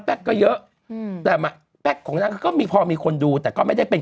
ก็เยอะอืมแต่แป๊กของนางก็มีพอมีคนดูแต่ก็ไม่ได้เป็น